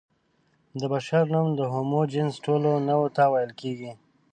د بشر نوم د هومو جنس ټولو نوعو ته ویل کېږي.